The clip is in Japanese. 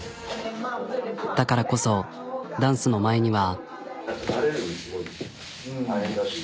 だからこそダンスの前には。